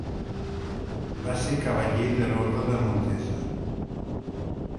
Va ser cavaller de l'Orde de Montesa.